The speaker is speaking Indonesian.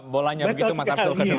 bolanya begitu mas arsul